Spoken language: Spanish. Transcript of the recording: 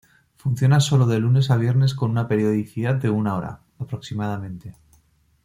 Funciona sólo de lunes a viernes con una periodicidad de una hora, aproximadamente.